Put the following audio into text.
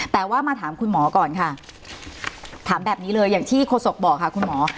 แต่ว่ามาถามคุณหมอก่อนค่ะถามแบบนี้เลยอย่างที่โฆษกบอกค่ะคุณหมอ